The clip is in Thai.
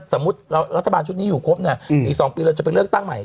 สมมุติรัฐบาลชุดนี้อยู่ครบเนี่ยอีก๒ปีเราจะไปเลือกตั้งใหม่